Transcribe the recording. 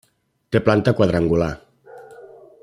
Té planta quadrangular.